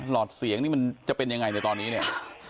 ลอดเสียงจะเป็นยังไงแต่ตอนนี้เนี้ย